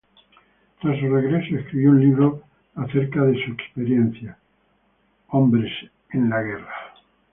Tras su regreso escribió un libro acerca de su experiencia: "Men in Battle".